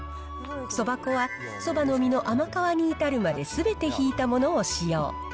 そば粉は、そばの実の甘皮に至るまですべてひいたものを使用。